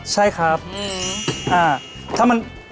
ซิลี้เหรอเชฟ